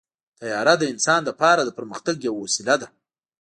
طیاره د انسان لپاره د پرمختګ یوه وسیله ده.